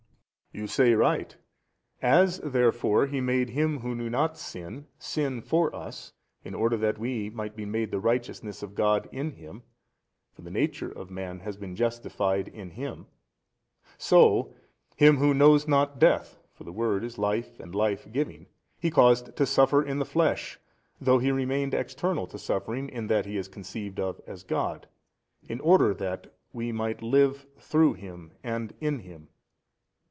A. You say right: as therefore He made Him Who knew not sin sin for us in order that WE might be made the righteousness of God in Him (for the nature of man has been justified in Him): so Him Who knows not death (for the Word is Life and lifegiving) He caused to suffer in the flesh, though He remained external to suffering in that He is conceived of as God, in order that we might live through Him and in Him.